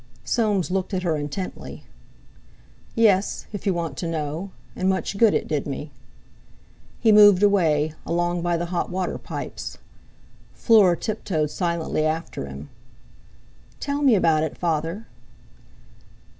Soames looked at her intently. "Yes—if you want to know—and much good it did me." He moved away, along by the hot water pipes. Fleur tiptoed silently after him. "Tell me about it, Father!"